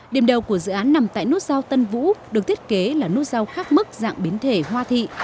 điểm đầu của dự án nằm tại nút giao tân vũ được thiết kế là nút giao khác mức dạng biến thể hoa thị